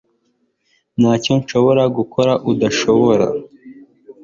Ntacyo nshobora gukora adashobora